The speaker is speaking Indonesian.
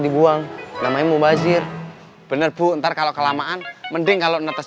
dibuang namanya mubazir benar bu entar kalau kelamaan mending kalau netes